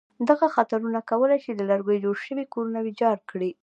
دغه خطرونه کولای شي له لرګي جوړ شوي کورونه ویجاړ کړي.